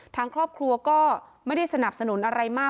ทางครอบครัวก็ไม่ได้สนับสนุนอะไรมาก